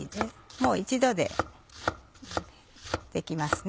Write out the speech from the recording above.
もう一度でできますね。